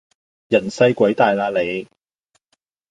人細鬼大喇你